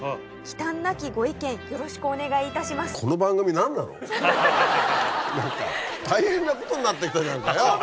何か大変なことになってきたじゃんかよ。